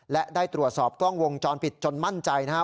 และได้ตรวจสอบกล้องวงจรปิดจนมั่นใจนะฮะ